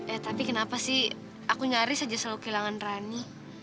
eh tapi kenapa sih aku nyaris aja selalu kehilangan rani